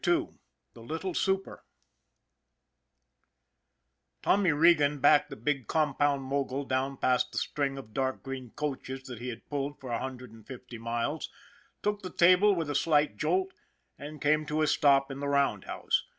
II THE LITTLE SUPER TOMMY REGAN backed the big compound mogul down past the string of dark green coaches that he had pulled for a hundred and fifty miles, took the table with a slight jolt, and came to a stop in the roundhouse.